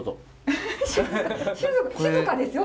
し静かですよ？